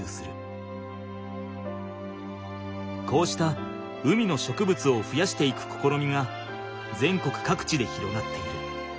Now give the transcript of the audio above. こうした海の植物をふやしていくこころみが全国かくちで広がっている。